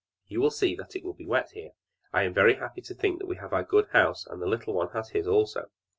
You will see that it will be wet here! I am very happy to think that we have our good house, and the little one has his also!